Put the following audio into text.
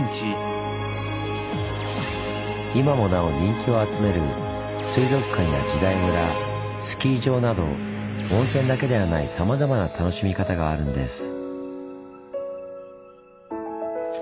今もなお人気を集める水族館や時代村スキー場など温泉だけではないさまざまな楽しみ方があるんです。